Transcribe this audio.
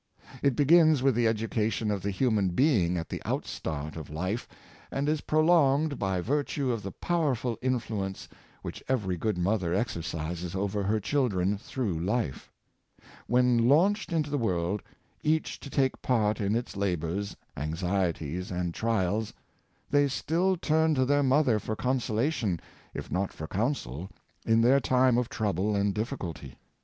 It begins with the education of the human being at the outstart of life, and is prolonged by virtue of the powerful in fluence which every good mother exercises over her children through life. When launched into the world, each to take part in its labors, anxieties, and trials, they still turn to their mother for consolation, if not for counsel, in their time of trouble and difficulty.